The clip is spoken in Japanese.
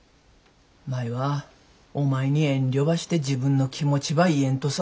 舞はお前に遠慮ばして自分の気持ちば言えんとさ。